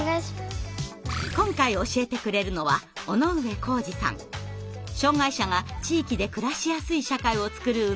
今回教えてくれるのは障害者が地域で暮らしやすい社会を作る運動を続けています。